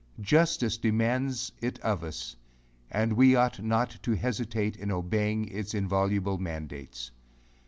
6 Justice demands it of us, and we ought not to hesitate in obeying its inviolable mandates.